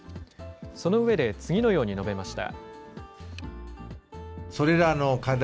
その上で次のように述べました。